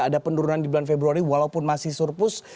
ada penurunan di bulan februari walaupun masih surplus